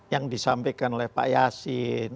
yang disampaikan oleh pak yasin